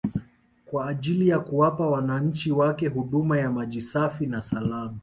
kwa ajili ya kuwapa wananchi wake huduma ya maji safi na salama